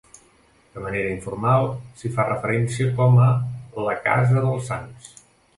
De manera informal s'hi fa referència com a la "casa dels sants".